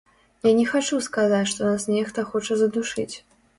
Я не хачу сказаць, што нас нехта хоча задушыць.